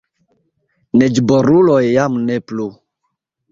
Neĝboruloj jam ne plu.